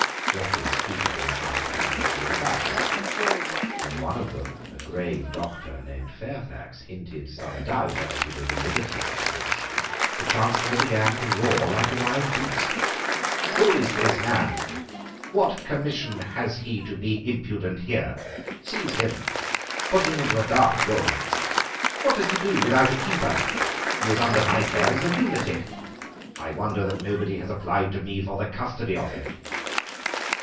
Jeffreys treated them after his usual fashion. When one of them, a grave Doctor named Fairfax, hinted some doubt as to the validity of the Commission, the Chancellor began to roar like a wild beast. "Who is this man? What commission has he to be impudent here? Seize him. Put him into a dark room. What does he do without a keeper? He is under my care as a lunatic. I wonder that nobody has applied to me for the custody of him."